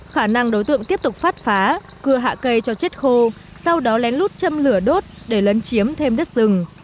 khả năng đối tượng tiếp tục phát phá cưa hạ cây cho chết khô sau đó lén lút châm lửa đốt để lấn chiếm thêm đất rừng